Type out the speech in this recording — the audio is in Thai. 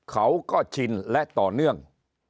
เขาก็ชินและต่อเนื่อง